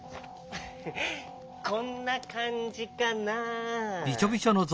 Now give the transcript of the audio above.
こんなかんじかな。